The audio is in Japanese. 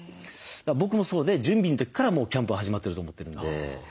僕もそうで準備の時からもうキャンプは始まってると思ってるんで。